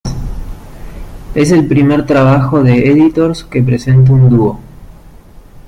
Es el primer trabajo de Editors que presenta un dúo.